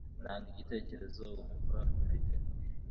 TANGA IGITEKEREZO wumva ufite